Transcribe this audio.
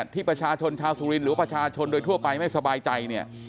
ที่ประชาชนชาวสุรินหรือว่าประชาชนโดยทั่วไปไม่สบายใจเนี่ย